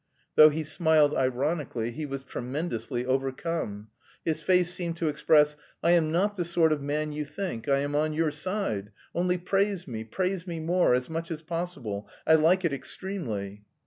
Though he smiled ironically he was tremendously overcome. His face seemed to express: "I am not the sort of man you think, I am on your side, only praise me, praise me more, as much as possible, I like it extremely...."